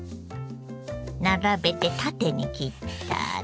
並べて縦に切ったら。